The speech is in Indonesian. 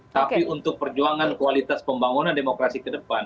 tapi untuk perjuangan kualitas pembangunan demokrasi ke depan